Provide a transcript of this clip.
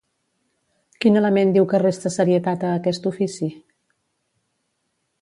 Quin element diu que resta serietat a aquest ofici?